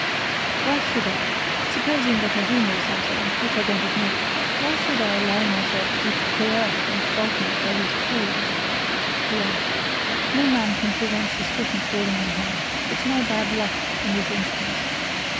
"Why should I supposing that I do know something, which I don't admit why should I allow myself to be coerced and frightened by these fools?" he asked. "No man can prevent suspicion falling on him it's my bad luck in this instance.